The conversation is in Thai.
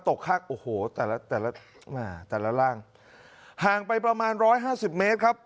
ข้างโอ้โหแต่ละแต่ละร่างห่างไปประมาณร้อยห้าสิบเมตรครับ